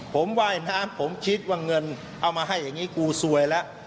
ผมว่ายน้ำผมคิดว่าเงินเอามาให้อย่างนี้กูซวยแล้ว